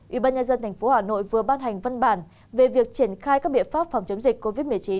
ubnd tp hà nội vừa ban hành văn bản về việc triển khai các biện pháp phòng chống dịch covid một mươi chín